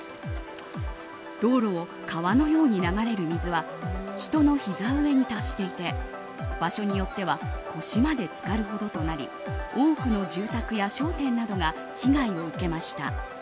道路を川のように流れる水は人のひざ上に達していて場所によっては腰まで浸かるほどとなり多くの住宅や商店などが被害を受けました。